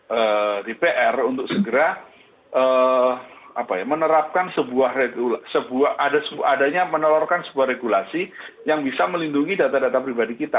pemerintah dpr untuk segera menerapkan sebuah adanya menelurkan sebuah regulasi yang bisa melindungi data data pribadi kita